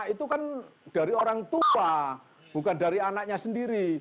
itu kan dari orang tua bukan dari anaknya sendiri